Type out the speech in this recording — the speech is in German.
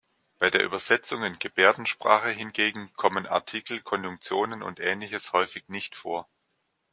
Bei der Übersetzung in Gebärdensprache hingegen kommen Artikel, Konjunktionen und Ähnliches häufig nicht vor.